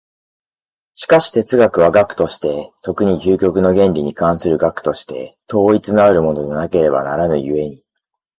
しかし哲学は学として、特に究極の原理に関する学として、統一のあるものでなければならぬ故に、